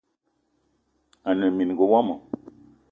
Ane mininga womo